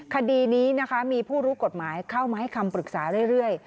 คดีนี้นะคะมีผู้รู้กฎหมายเข้ามาให้คำปรึกษาเรื่อย